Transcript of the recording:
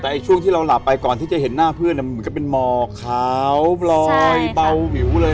แต่ช่วงที่เราหลับไปก่อนที่จะเห็นหน้าเพื่อนเหมือนกับเป็นหมอกขาวลอยเบาวิวเลย